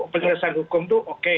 penyelesaian hukum tuh oke